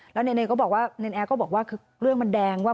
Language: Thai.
แล้วเนนแอร์ก็บอกว่าเรื่องมันแดงว่า